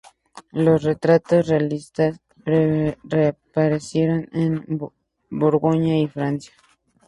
Los retratos realistas reaparecieron en Borgoña y Francia.